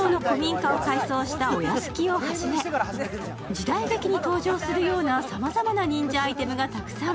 時代劇に登場するようなさまざまな忍者アイテムがたくさん。